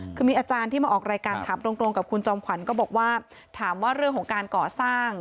คือมีอาจารย์ที่มาออกรายการถามตรงกับคุณจอมขวัญก็บอกว่าถามว่าเรื่องของการก่อสร้าง